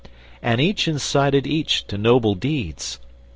And each incited each to noble deeds.